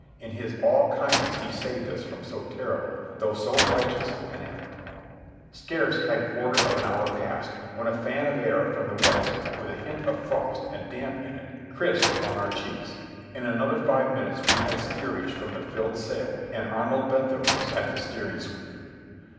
In His all kindness He saved us from so terrible, though so righteous, an act. Scarce had a quarter of an hour passed, when a fan of air from the west, with a hint of frost and damp in it, crisped on our cheeks. In another five minutes we had steerage from the filled sail, and Arnold Bentham was at the steering sweep.